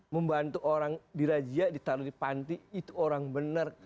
membantu orang dirajia ditaruh di panti itu orang benar